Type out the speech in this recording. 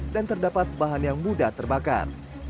terdapat bahan yang mudah terbakar